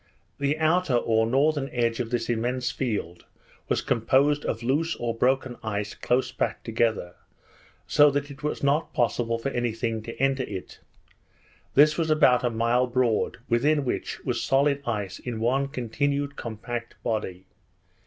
The outer or northern edge of this immense field, was composed of loose or broken ice close packed together, so that it was not possible for any thing to enter it. This was about a mile broad, within which, was solid ice in one continued compact body.